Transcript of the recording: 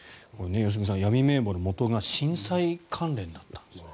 良純さん、闇名簿の元が震災関連だったんです。